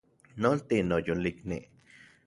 Nolti, noyolikni